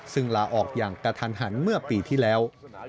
ซึ่งลาออกอย่างกระทันหันเมื่อปีที่แล้ว